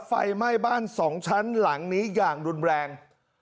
ไฟไหม้บ้านสองชั้นหลังนี้อย่างรุนแรง